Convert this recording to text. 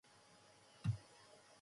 インバウンド